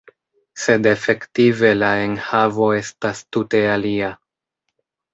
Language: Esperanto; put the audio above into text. Sed efektive la enhavo estas tute alia.